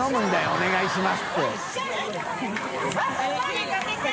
「お願いします」って。